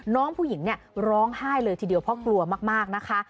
น้องผู้หญิงเนี่ยร้องไห้เลยทีเดียวเพราะกลัวมากนะคะ